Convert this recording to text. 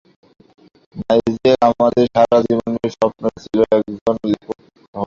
Nigel, আমার সারা জীবনের স্বপ্ন ছিল একজন লেখক হবো।